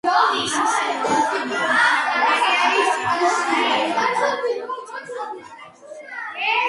მისი სიუჟეტი ბუდა ლეგენდის სანსკრიტულ რედაქციას უკავშირდება.